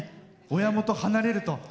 親元、離れると。